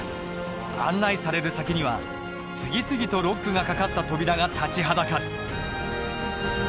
案内される先には次々とロックがかかった扉が立ちはだかる。